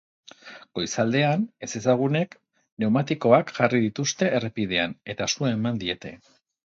Goizaldean, ezezagunek pneumatikoak jarri dituzte errepidean, eta su eman diete.